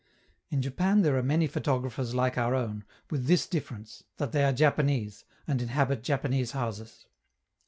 In Japan there are many photographers like our own, with this difference, that they are Japanese, and inhabit Japanese houses.